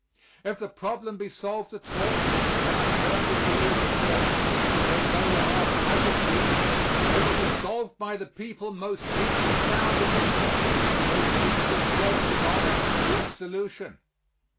If the problem be solved at all and I firmly believe it will, though nowhere else has it been it will be solved by the people most deeply bound in interest, most deeply pledged in honor to its solution.